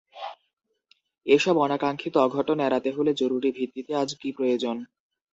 এসব অনাকাঙ্ক্ষিত অঘটন এড়াতে হলে জরুরি ভিত্তিতে আজ কি প্রয়োজন?